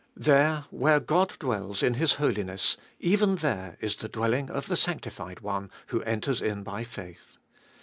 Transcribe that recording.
There, where God dwells in His holiness — even there, is the dwelling of the sanctified one, who enter in by faith.